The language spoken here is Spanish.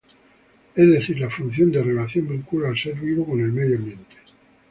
Es decir, la función de relación vincula al ser vivo con el medio ambiente.